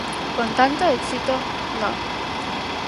Con tanto éxito, non.